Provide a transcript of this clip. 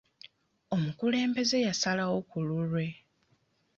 Omukulembeze yasalawo ku lulwe.